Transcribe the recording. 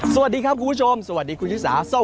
สวัสดีครับคุณผู้ชมสวัสดีคุณชิสาส้ม